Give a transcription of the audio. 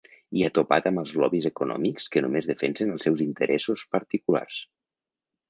I ha topat amb els lobbies econòmics que només defensen els seus interessos particulars.